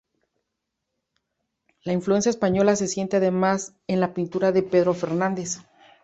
La influencia española se siente además en la pintura de Pedro Fernández.